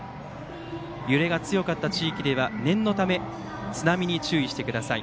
揺れが強かった地域では念のため津波に注意してください。